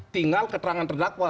tinggal keterangan terdakwa